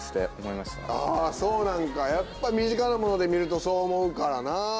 あそうなんかやっぱ身近なもので見るとそう思うからな。